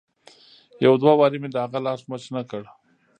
يو دوه وارې مې د هغه لاس مچ نه کړ.